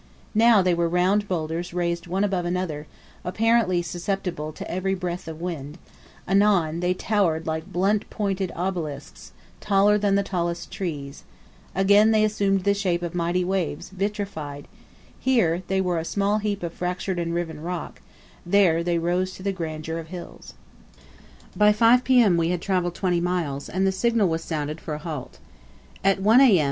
Now they were round boulders raised one above another, apparently susceptible to every breath of wind; anon, they towered like blunt pointed obelisks, taller than the tallest trees; again they assumed the shape of mighty waves, vitrified; here, they were a small heap of fractured and riven rock; there, they rose to the grandeur of hills. By 5 P.M. we had travelled twenty miles, and the signal was sounded for a halt. At 1 A.M.